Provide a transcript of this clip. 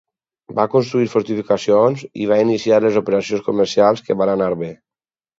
Va construir fortificacions i va iniciar les operacions comercials que van anar bé.